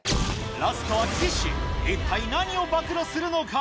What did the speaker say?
ラストは岸一体何を暴露するのか？